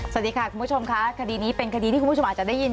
สวัสดีค่ะคุณผู้ชมค่ะคดีนี้เป็นคดีที่คุณผู้ชมอาจจะได้ยิน